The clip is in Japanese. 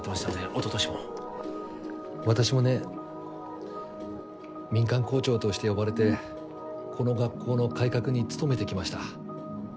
おととしも私もね民間校長として呼ばれてこの学校の改革に努めてきました